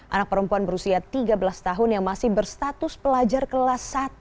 anak perempuan berusia tiga belas tahun yang masih berstatus pelajar kelas satu